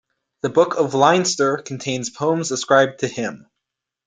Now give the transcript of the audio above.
The Book of Leinster contains poems ascribed to him.